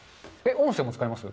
音声も使います？